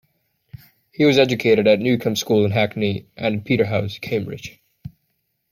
He was educated at Newcome's School in Hackney and at Peterhouse, Cambridge.